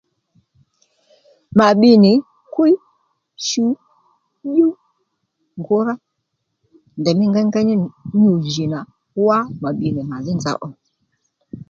Ma bbiy nì kwíy, shu, dyúw, ngǔrá ndèymí ngéyngéy ní nyû jì nà wá mà bbíy nì màdhí nza ò